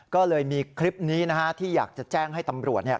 ก็เลยมีคลิปนี้นะฮะที่อยากจะแจ้งให้ตำรวจเนี่ย